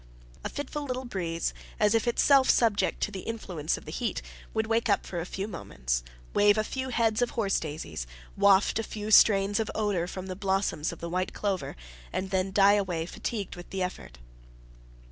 A fitful little breeze, as if itself subject to the influence of the heat, would wake up for a few moments, wave a few heads of horse daisies, waft a few strains of odour from the blossoms of the white clover, and then die away fatigued with the effort.